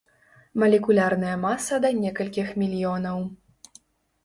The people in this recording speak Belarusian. Малекулярная маса да некалькіх мільёнаў.